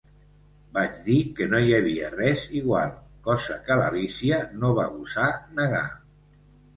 "Vaig dir que no hi havia res igual". Cosa que l'Alícia no va gosar negar.